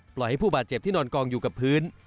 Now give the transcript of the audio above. ปล่อยให้ผู้บาดเจ็บอยู่ในนนกองกับพื้น